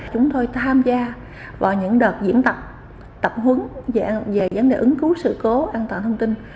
chúng tôi tham gia vào những đợt diễn tập tập về vấn đề ứng cứu sự cố an toàn thông tin